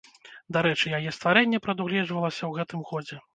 Дарэчы, яе стварэнне прадугледжвалася ў гэтым годзе.